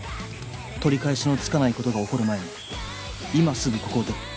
取り返しのつかない事が起こる前に今すぐここを出ろ。